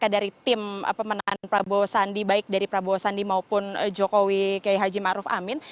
dari tim pemenahan prabowo sandi baik dari prabowo sandi maupun jokowi k h maruf amin